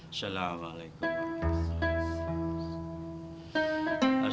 assalamualaikum warahmatullahi wabarakatuh